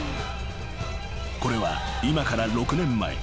［これは今から６年前］